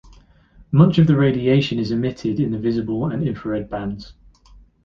Much of the radiation is emitted in the visible and infrared bands.